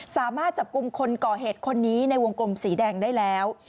สามารถจับกลุ่มคนก่อเหตุคนนี้ในวงกลมสีแดงได้แล้ว